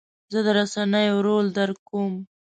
زه د رسنیو رول درک کوم.